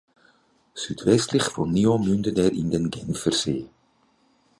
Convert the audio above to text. Südwestlich von Nyon mündet er in den Genfersee.